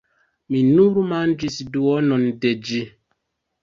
Mi nur manĝis duonon de ĝi!